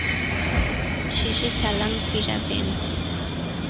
শেষে সালাম ফিরাবেন।